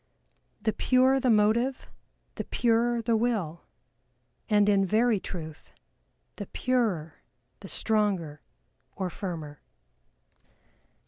The purer the motive the purer the Will, and in very truth the purer the stronger, or firmer.